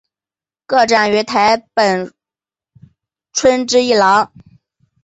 个展于台北春之艺廊。